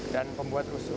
dan pembuat rusuh